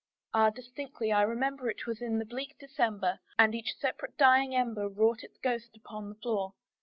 Ah, distinctly I remember, it was in the bleak December, And each separate dying ember wrought its ghost upon the floor.